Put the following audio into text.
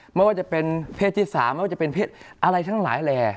ไม่ว่าจะเป็นเพศที่๓ไม่ว่าจะเป็นเพศอะไรทั้งหลายแหล่